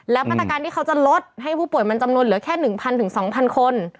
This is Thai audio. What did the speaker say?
และมาตรการที่เขาจะลดให้ผู้ป่วยมันจำนวนเหลือแค่๑๐๐๒๐๐คน